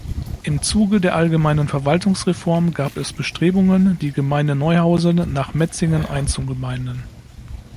Im Zuge der allgemeinen Verwaltungsreform gab es Bestrebungen, die Gemeinde Neuhausen nach Metzingen einzugemeinden.